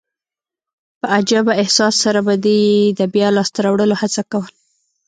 په عجبه احساس سره به دي يي د بیا لاسته راوړلو هڅه کول.